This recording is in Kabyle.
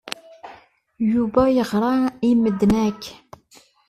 Yuba yeɣra i medden akk.